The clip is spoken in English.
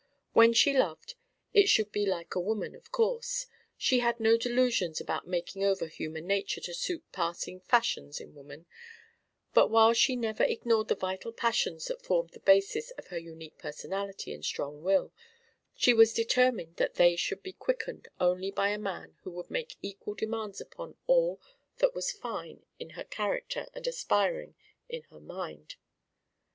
When she loved, it should be like a woman, of course; she had no delusions about making over human nature to suit passing fashions in woman; but while she never ignored the vital passions that formed the basis of her unique personality and strong will, she was determined that they should be quickened only by a man who would make equal demands upon all that was fine in her character and aspiring in her mind.